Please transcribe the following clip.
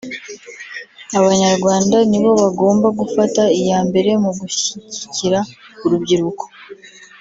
Abanyarwanda nibo bagomba gufata iya mbere mu gushyigikira urubyiruruko